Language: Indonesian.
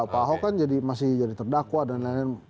pak ahok kan masih jadi terdakwa dan lain lain